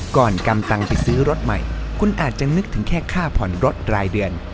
กำตังค์ไปซื้อรถใหม่คุณอาจจะนึกถึงแค่ค่าผ่อนรถรายเดือน